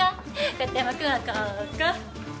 片山くんはここ！